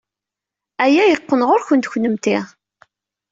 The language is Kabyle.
Aya yeqqen ɣer-went kennemti.